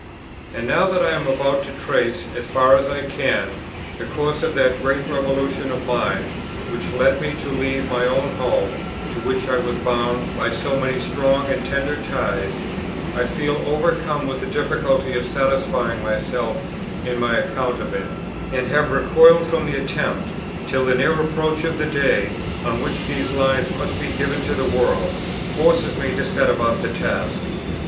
And now that I am about to trace, as far as I can, the course of that great revolution of mind, which led me to leave my own home, to which I was bound by so many strong and tender ties, I feel overcome with the difficulty of satisfying myself in my account of it, and have recoiled from the attempt, till the near approach of the day, on which these lines must be given to the world, forces me to set about the task.